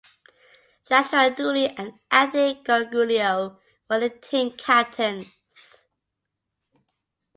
Joshua Dooley and Anthony Gargiulo were the team captains.